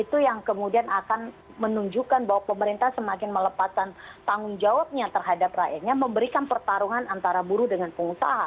itu yang kemudian akan menunjukkan bahwa pemerintah semakin melepaskan tanggung jawabnya terhadap rakyatnya memberikan pertarungan antara buruh dengan pengusaha